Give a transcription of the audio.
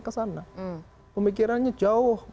ke sana pemikirannya jauh